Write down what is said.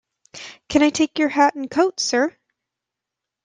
Can I take your hat and coat, sir?